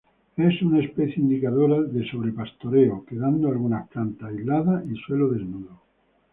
Es una especie indicadora de sobrepastoreo, quedando algunas plantas aisladas y suelo desnudo.